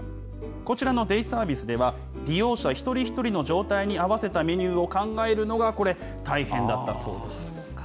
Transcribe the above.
こちらのデイサービスでは、利用者一人一人の状態に合わせたメニューを考えるのが、これ、大変だったそうです。